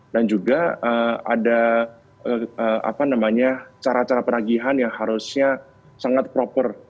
dan juga ada cara cara penagihan yang harusnya sangat proper